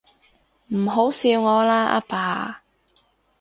唔好笑我啦，阿爸